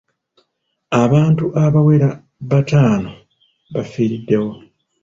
Abantu abawera bataano bafiiriddewo.